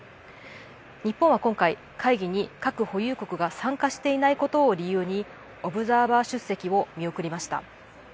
日本は今回会議に核保有国が参加していないことを理由にオブザーバー出席を見送りました。